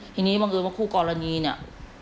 ทีนี้บางอย่างว่าคู่กรณีนี่